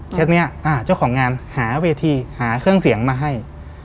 นี้เจ้าของงานหาเวทีหาเครื่องเสียงมาให้